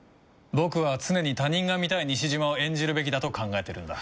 僕は常に他人が見たい西島を演じるべきだと考えてるんだ。